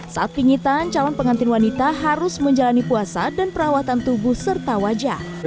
saat pingitan calon pengantin wanita harus menjalani puasa dan perawatan tubuh serta wajah